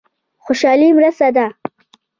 خوشالي مرسته ده.